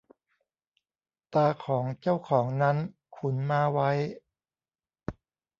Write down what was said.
ตาของเจ้าของนั้นขุนม้าไว้